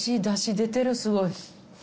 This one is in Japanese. だし出てるすごい。